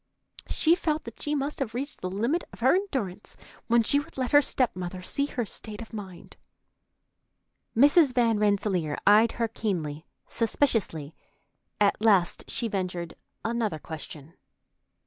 She felt that she must have reached the limit of her endurance when she would let her step mother see her state of mind. Mrs. Van Rensselaer eyed her keenly, suspiciously. At last she ventured another question.